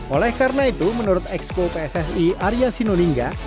oleh karena itu menurut expo pssi arya sinulinga